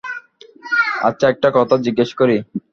আচ্ছা একটা কথা জিজ্ঞেস করি।